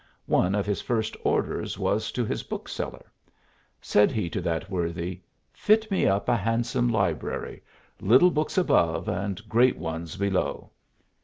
One of his first orders was to his bookseller. Said he to that worthy: "Fit me up a handsome library; little books above and great ones below."